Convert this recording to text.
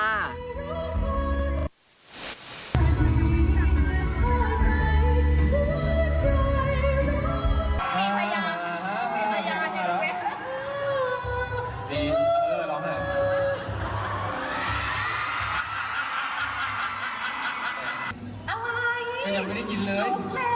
อะไรก็ยังไม่ได้กินเลย